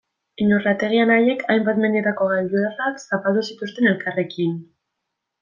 Iñurrategi anaiek hainbat mendietako gailurrak zapaldu zituzten elkarrekin.